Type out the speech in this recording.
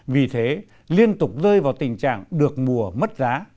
vì thế liên tục rơi vào tình trạng được mùa mất giá